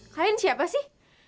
kalian siapa sih